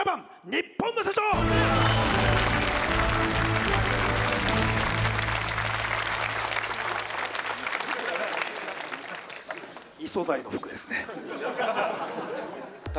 ニッポンの社長異素材の服ですね